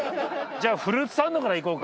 じゃあフルーツサンドから行こうか。